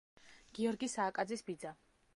გიორგი სააკაძის ბიძა.